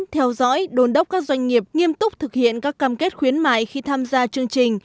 theo dõi đồn đốc các doanh nghiệp nghiêm túc thực hiện các cam kết khuyến mại khi tham gia chương trình